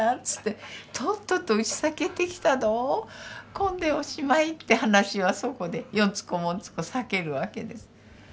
っつって「とっととうちさ帰ってきたどこんでおしまい」って話はそこでよんつこもんつこさけるわけです。